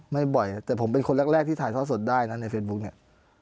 บ่อยแต่ผมเป็นคนแรกที่ถ่ายทอดสดได้นะในเฟซบุ๊กเนี่ย